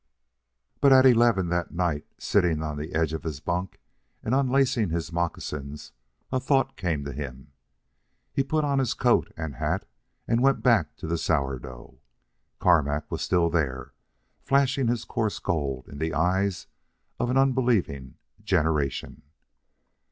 But at eleven that night, sitting on the edge of his bunk and unlacing his moccasins, a thought came to him. He put on his coat and hat and went back to the Sourdough. Carmack was still there, flashing his coarse gold in the eyes of an unbelieving generation.